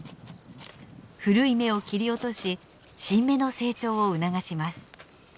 古い芽を切り落とし新芽の成長を促します。